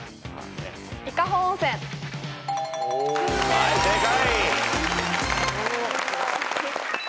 はい正解。